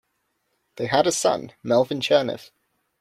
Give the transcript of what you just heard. They had a son, Melvin Chernev.